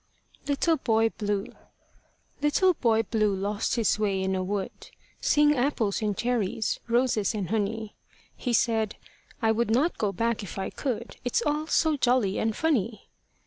LITTLE BOY BLUE Little Boy Blue lost his way in a wood. Sing apples and cherries, roses and honey; He said, "I would not go back if I could, It's all so jolly and funny."